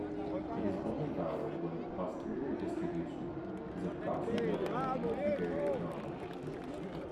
It is only valid when the posterior distribution is approximately multivariate normal.